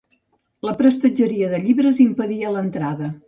La prestatgeria de llibres impedia l’entrada.